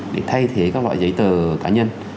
để thay thế các loại giấy tờ cá nhân